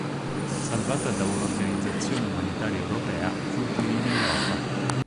Salvata da una organizzazione umanitaria europea, fuggì in Europa.